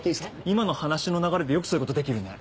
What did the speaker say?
今の話の流れでよくそういう事できるね。